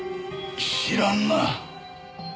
知らんな。